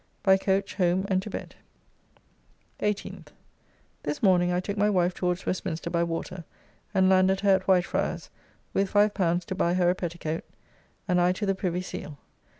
By coach home and to bed. 18th. This morning I took my wife towards Westminster by water, and landed her at Whitefriars, with L5 to buy her a petticoat, and I to the Privy Seal.